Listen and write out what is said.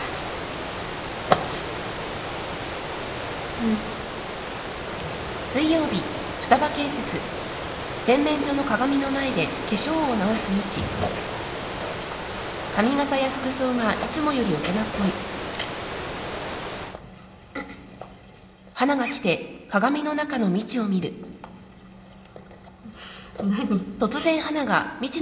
うん。何？